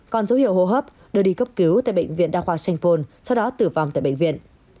còn dấu hiệu hô hấp đưa đi cấp cứu tại bệnh viện đa khoa sanh pôn sau đó tử vong tại bệnh viện